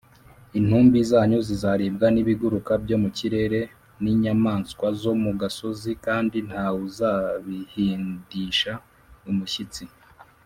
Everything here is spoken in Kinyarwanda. Intumbi zanyu zizaribwa n’ibiguruka byo mu kirere n’inyamaswa zo mu gasozi, kandi nta wuzabihindisha umushyitsi. “